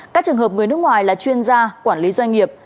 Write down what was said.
các trường hợp người nước ngoài là chuyên gia quản lý doanh nghiệp